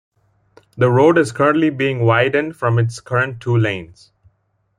The road is currently being widened from its current two lanes.